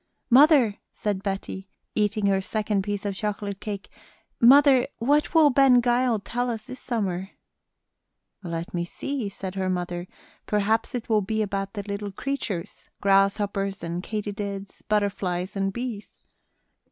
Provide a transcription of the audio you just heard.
"Mother," said Betty, eating her second piece of chocolate cake "mother, what will Ben Gile tell us this summer?" "Let me see," said her mother, "perhaps it will be about the little creatures grasshoppers and katydids, butterflies and bees."